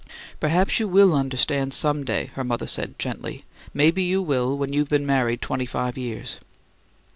"Perhaps you WILL understand some day," her mother said, gently. "Maybe you will when you've been married twenty five years."